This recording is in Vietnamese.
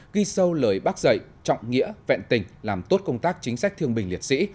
ghi sâu lời bác dạy trọng nghĩa vẹn tình làm tốt công tác chính sách thương binh liệt sĩ